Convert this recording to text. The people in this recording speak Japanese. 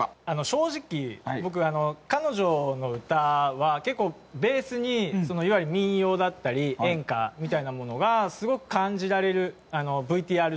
正直僕彼女の歌は結構ベースにいわゆる民謡だったり演歌みたいなものがすごく感じられるＶＴＲ上では。